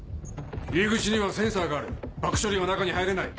入り口にはセンサーがある爆処理は中に入れない。